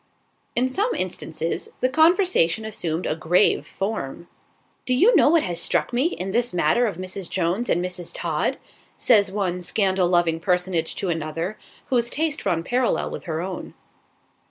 In some instances, the conversation assumed a grave form: "Do you know what has struck me, in this matter of Mrs. Jones and Mrs. Todd?" says one scandal loving personage to another, whose taste ran parallel with her own.